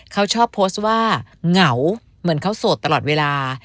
เขาชอบโพสต์ว่าเหงาเหมือนเขาโสดตลอดเวลา